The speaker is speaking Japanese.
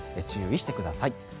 注意してください。